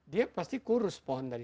dia pasti kurus pohon dari